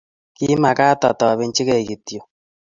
kimekat atobenchi gei kityo